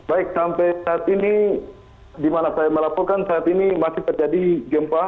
baik sampai saat ini di mana saya melaporkan saat ini masih terjadi gempa